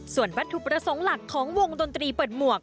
ส่วนวัตถุประสงค์หลักของวงดนตรีเปิดหมวก